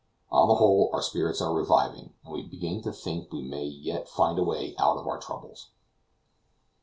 On the whole our spirits are reviving and we begin to think we may yet find a way out of our troubles.